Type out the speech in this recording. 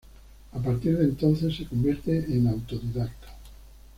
A partir de entonces se convierte en autodidacta.